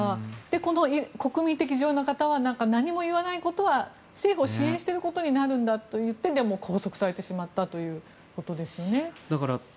この国民的女優の方は何も言わないことは政府を支援していることになるんだといって拘束されてしまったということですよね。